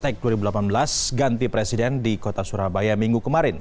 tag dua ribu delapan belas ganti presiden di kota surabaya minggu kemarin